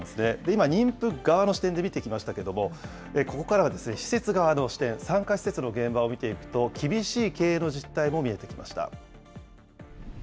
今、妊婦側の視点で見てきましたけれども、ここからは施設側の視点、産科施設の現場を見ていくと、厳しい経営の実態も見えてきました。